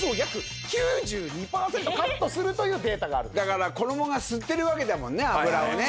だから衣が吸ってるわけだもんね油を。